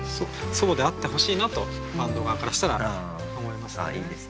そうであってほしいなとバンド側からしたら思いましたね。